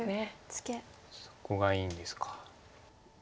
そこがいいんですか。